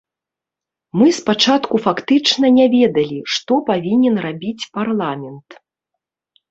Мы спачатку фактычна не ведалі, што павінен рабіць парламент.